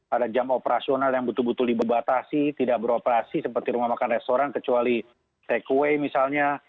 ada jam operasional yang betul betul dibebatasi tidak beroperasi seperti rumah makan restoran kecuali takeaway misalnya